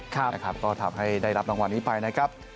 ก็ทำให้ได้รับรางวัลนี้ไปนะครับ